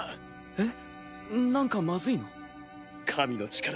えっ？